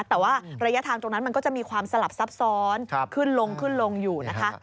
แต่ว่าระยะทางตรงนั้นมันก็จะมีความสลับซับซ้อนขึ้นลงขึ้นลงอยู่นะคะ